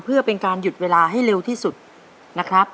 เพื่อเป็นการหยุดเวลาให้เร็วที่สุดนะครับ